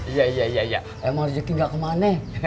iya iya iya emang rezeki gak kemana